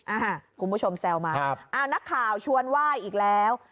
คุณผู้ชมแซวมาอ้าวนักข่าวชวนไหว้อีกแล้ว